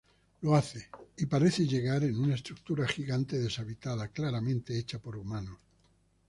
Lo hace, y parece llegar en una estructura gigante deshabitada, claramente hecha por humanos.